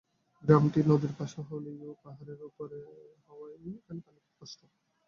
গ্রামটি নদীর পাশে হলেও পাহাড়ের ওপরে হওয়ায় এখানে পানির খুব কষ্ট।